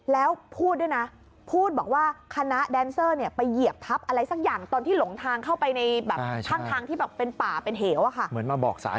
แล้วพูดด้วยนะพูดบอกว่า